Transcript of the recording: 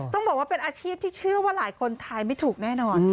ต้องบอกว่าเป็นอาชีพที่เชื่อว่าหลายคนทายไม่ถูกแน่นอน